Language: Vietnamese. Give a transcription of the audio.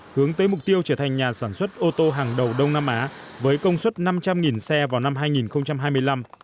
hướng tới mục tiêu trở thành nhà sản xuất ô tô hàng đầu đông nam á với công suất năm trăm linh xe vào năm hai nghìn hai mươi năm